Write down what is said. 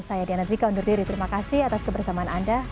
saya diana dwika undur diri terima kasih atas kebersamaan anda